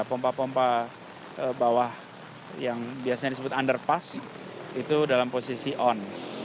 pompa pompa bawah yang biasanya disebut underpass itu dalam posisi on